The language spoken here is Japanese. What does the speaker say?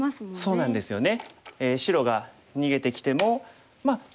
そうなんですね。